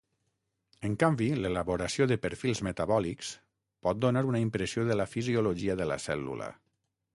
En canvi, l'elaboració de perfils metabòlics pot donar una impressió de la fisiologia de la cèl·lula.